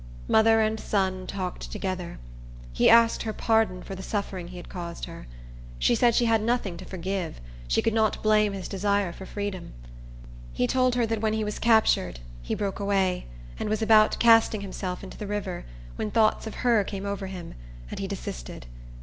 Mother and son talked together. He asked her pardon for the suffering he had caused her. She said she had nothing to forgive; she could not blame his desire for freedom. He told her that when he was captured, he broke away, and was about casting himself into the river, when thoughts of her came over him, and he desisted.